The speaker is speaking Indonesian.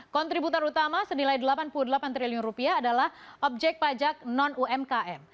kontributor utama senilai delapan puluh delapan triliun rupiah adalah objek pajak non umkm